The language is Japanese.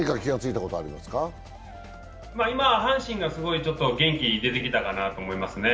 今、阪神がすごい元気出てきたかなと思いますね。